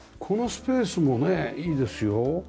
このスペースもねいいですよ。